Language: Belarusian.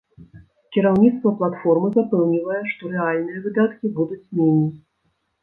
Кіраўніцтва платформы запэўнівае, што рэальныя выдаткі будуць меней.